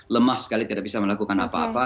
lemah sekali tidak bisa melakukan apa apa